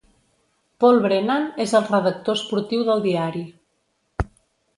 Paul Brennan és el redactor esportiu del diari.